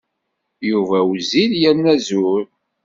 Yuba wezzil yerna zur.